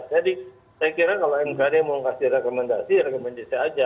jadi saya kira kalau mkd mau kasih rekomendasi rekomendasi aja